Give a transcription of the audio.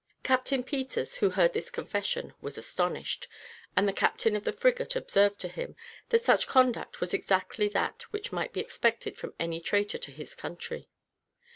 Captain Peters, who heard this confession, was astonished; and the captain of the frigate observed to him, that such conduct was exactly that which might be expected from any traitor to his country.